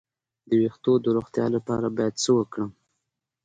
د ویښتو د روغتیا لپاره باید څه وکړم؟